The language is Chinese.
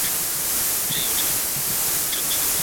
其他调研内容包括武器的点射能力以及后座力等问题。